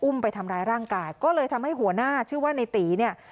ไปทำร้ายร่างกายก็เลยทำให้หัวหน้าชื่อว่าในตีเนี่ย